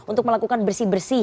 untuk melakukan bersih bersih